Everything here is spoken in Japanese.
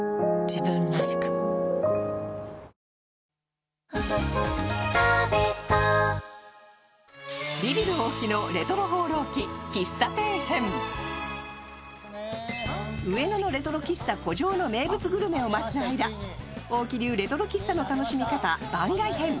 「ハミング」史上Ｎｏ．１抗菌上野のレトロ喫茶・古城の名物グルメを待つ間、大木流レトロ喫茶の楽しみ方番外編。